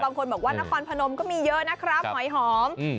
บางคนบอกว่านครพนมก็มีเยอะนะครับหอยหอม